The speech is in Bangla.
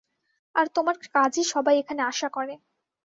আর তোমার কাজই সবাই এখানে আশা করে।